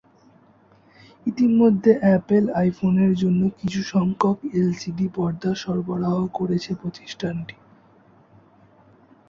ইতিমধ্যে অ্যাপল আইফোনের জন্য কিছুসংখ্যক এলসিডি পর্দা সরবরাহ করেছে প্রতিষ্ঠানটি।